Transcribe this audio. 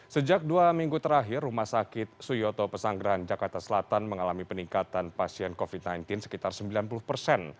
sejak dua minggu terakhir rumah sakit suyoto pesanggerahan jakarta selatan mengalami peningkatan pasien covid sembilan belas sekitar sembilan puluh persen